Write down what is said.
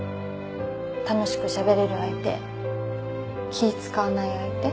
楽しくしゃべれる相手気使わない相手？